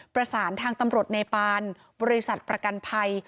ประสานทางตำรวจเนปานบริษัทประกันภัย